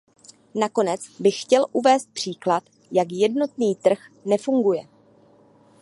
Nakonec bych chtěl uvést příklad, jak jednotný trh nefunguje.